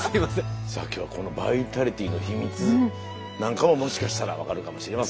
さあ今日はこのバイタリティーの秘密なんかをもしかしたら分かるかもしれません。